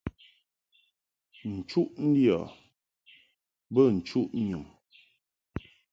Nchuʼ ndiɔ bə nchuʼ nyum.